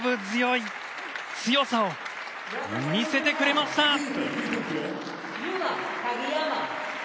強さを見せてくれました！